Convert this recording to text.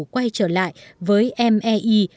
quay trở lại với mei